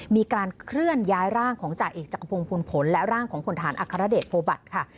มีการเคลื่อนย้ายร่างของจ่าเอกจักรพงศูนผลและร่างของพลฐานอัครเดชโพบัตรค่ะ